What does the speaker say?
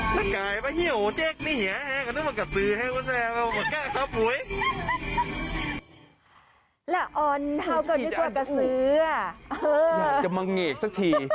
ละอ่อนเท่ากันด้วยกว่ากระสืออ่ะฮืออยากจะมังเนกสักที